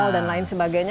dan lain sebagainya